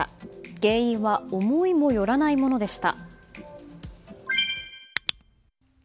原因は思いもよらないものでした。